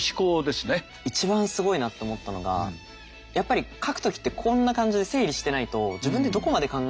一番すごいなと思ったのがやっぱり書く時ってこんな感じで整理してないと自分でどこまで考えたっけ